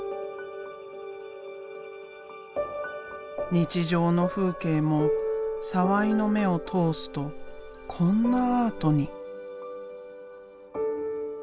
日常の風景も澤井の目を通すとこんなアートに。